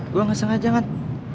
gue nggak sengaja nget